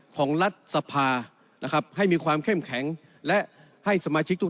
ของรัฐสภานะครับให้มีความเข้มแข็งและให้สมาชิกทุก